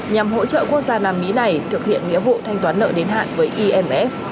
nhằm hỗ trợ quốc gia nam mỹ này thực hiện nghĩa vụ thanh toán nợ đến hạn với imf